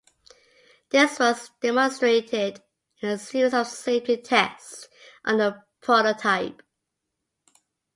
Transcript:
This was demonstrated in a series of safety tests on the prototype.